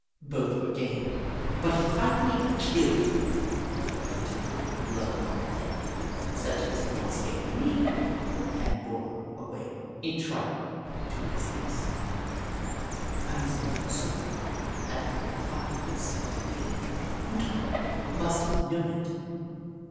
Both were game, but 2o6 The Book of Clever Beasts he finally killed her with a terrific blow on the head, such as he once gave me, and bore her away in triumph to his nest. I was inconsolable, and with the fine instinct of the animal, Hoot Mon must have known it.